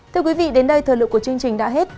thưa quý vị đến đây thời lượng của chương trình đã hết